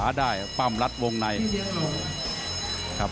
มั่นใจว่าจะได้แชมป์ไปพลาดโดนในยกที่สามครับเจอหุ้กขวาตามสัญชาตยานหล่นเลยครับ